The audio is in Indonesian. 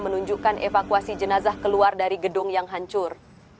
menunjukkan evakuasi jenazah keluar dari gedung yang hancur